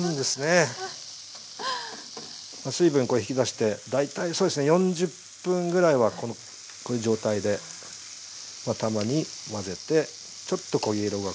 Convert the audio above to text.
水分これ引き出して大体そうですね４０分ぐらいはこういう状態でたまに混ぜてちょっと焦げ色が付いてくるのを待ちます。